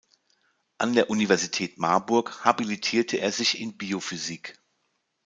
An der Universität Marburg habilitierte er sich in Biophysik.